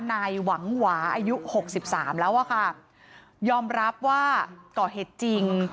นายหวังหวาอายุหกสิบสามแล้วอะค่ะยอมรับว่าก่อเหตุจริง